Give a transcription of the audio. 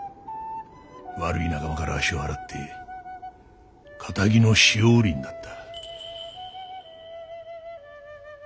悪い仲間から足を洗って堅気の塩売りになった。